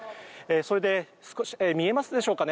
それで、見えますでしょうか。